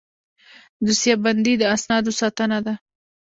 دوسیه بندي د اسنادو ساتنه ده